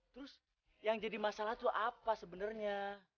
terus yang jadi masalah itu apa sebenarnya